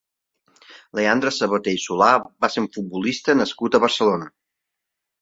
Leandre Sabaté i Solà va ser un futbolista nascut a Barcelona.